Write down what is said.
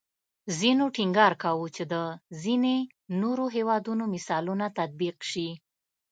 ځینو ټینګار کوو چې د ځینې نورو هیوادونو مثالونه تطبیق شي